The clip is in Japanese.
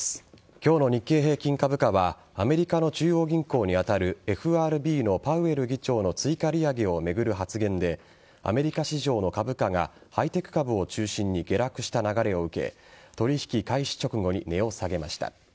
今日の日経平均株価はアメリカの中央銀行に当たるＦＲＢのパウエル議長の追加利上げを巡る発言でアメリカ市場の株価がハイテク株を中心に下落した流れを受け取引開始直後に値を下げました。